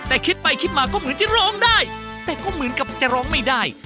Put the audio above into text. แต่ก็เหมือนจะร้องไม่ได้